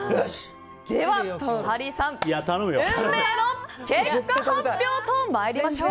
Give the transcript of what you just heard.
では、ハリーさん運命の結果発表と参りましょう。